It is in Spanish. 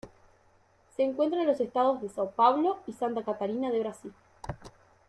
Se encuentra en los estados de São Paulo y Santa Catarina de Brasil.